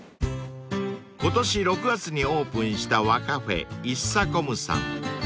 ［今年６月にオープンした和カフェｉｓｓａｃｏｍさん］